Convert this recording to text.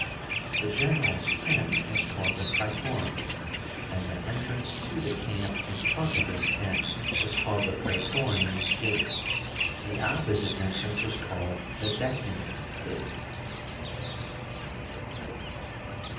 The general's tent was called the Praetorium, and the entrance to the camp in front of his tent was called the Praetorian Gate. The opposite entrance was called the Decuman Gate.